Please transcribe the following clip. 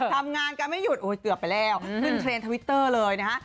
ทำงานกันไม่หยุดเกือบไปแล้วขึ้นเทรนดทวิตเตอร์เลยนะฮะ